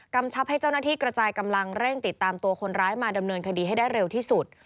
ชับให้เจ้าหน้าที่กระจายกำลังเร่งติดตามตัวคนร้ายมาดำเนินคดีให้ได้เร็วที่สุด